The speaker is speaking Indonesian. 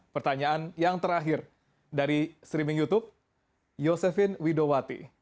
pertanyaan yang terakhir dari streaming youtube yosefin widowati